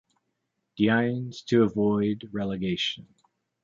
Deinze to avoid relegation.